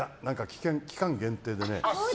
期間限定でね。